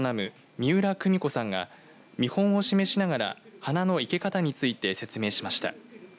三浦久美子さんが見本を示しながら花の生け方について説明しました。